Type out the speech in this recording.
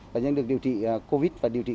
bệnh nhân được điều trị covid